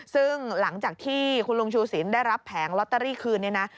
ซึ่งหลังจากที่คุณลุงชูสินได้รับแผงลอตเตอรี่คืนเนี่ยนะ